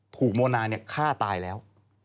ถูกโมนาเนี่ยฆ่าตายแล้ว